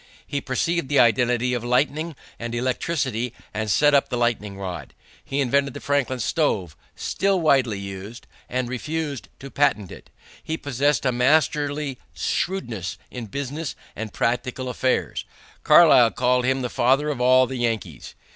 He perceived the identity of lightning and electricity and set up the lightning rod. He invented the Franklin stove, still widely used, and refused to patent it. He possessed a masterly shrewdness in business and practical affairs. Carlyle called him the father of all the Yankees.